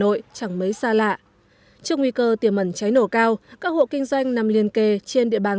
nội chẳng mấy xa lạ trước nguy cơ tiềm mẩn cháy nổ cao các hộ kinh doanh nằm liên kề trên địa bàn